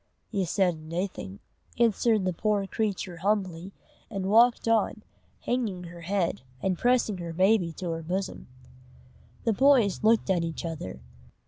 "Ye said naething," answered the poor creature, humbly, and walked on, hanging her head, and pressing her baby to her bosom. The boys looked at each other.